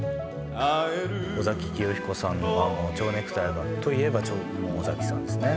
尾崎紀世彦さんは蝶ネクタイといえば尾崎さんですね